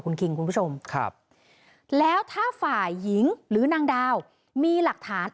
คุณคิงคุณผู้ชมครับแล้วถ้าฝ่ายหญิงหรือนางดาวมีหลักฐาน